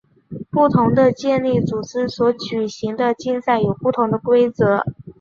不同的健力组织所举行的竞赛有不同的规则。